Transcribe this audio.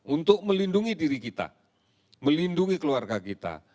untuk melindungi diri kita melindungi keluarga kita